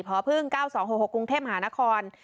เพราะเพิ่ง๙๒๖๖กรุงเทพฯหานคร